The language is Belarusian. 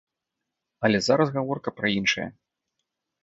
Але зараз гаворка пра іншае.